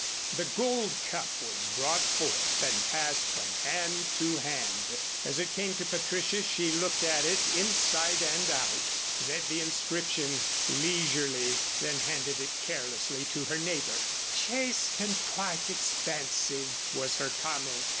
The gold cup was brought forth and passed from hand to hand. As it came to Patricia she looked at it inside and out, read the inscription leisurely, then handed it carelessly to her neighbor. "Chaste and quite expensive," was her comment.